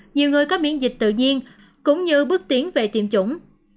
nhiều người có miễn dịch tự nhiên cũng như bước tiến về tiêm chủng